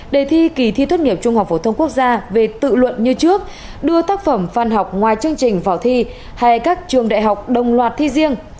đề thi kỳ thi tốt nghiệp trung học phổ thông quốc gia về tự luận như trước đưa tác phẩm văn học ngoài chương trình vào thi hay các trường đại học đồng loạt thi riêng